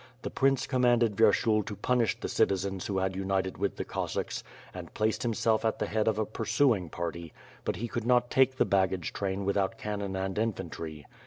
The prince commanded Vyershul to punish the citizens who had united with the Cossacks, and placed him self at the head of a pursuing party; but he could not take the baggage train without cannon and infantry.